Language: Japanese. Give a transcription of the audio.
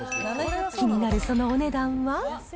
気になるそのお値段は。